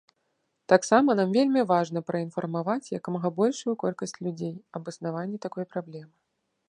Таксама нам вельмі важна праінфармаваць як мага большую колькасць людзей аб існаванні такой праблемы.